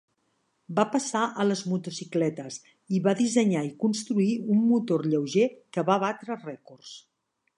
Va passar a les motocicletes i va dissenyar i construir un motor lleuger que va batre rècords.